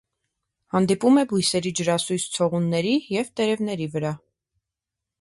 Հանդիպում է բույսերի ջրասույզ ցողունների և տերևների վրա։